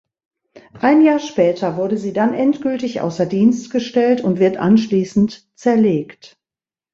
Ein Jahr später wurde sie dann endgültig außer Dienst gestellt und wird anschließend zerlegt.